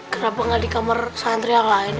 kenapa nggak di kamar santri yang lain